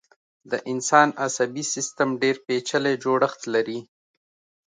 د انسان عصبي سيستم ډېر پيچلی جوړښت لري.